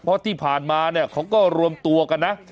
เพราะที่ผ่านมาเนี่ยเขาก็รวมตัวกันนะ